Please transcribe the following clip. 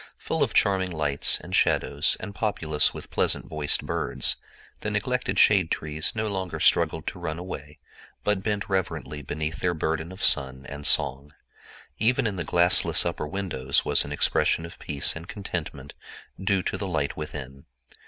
Full of charming lights and shadows and populous with pleasant voiced birds, the neglected shade trees no longer struggled to run away, but bent reverently beneath their burdens of sun and song. Even in the glassless upper windows was an expression of peace and contentment, due to the light within.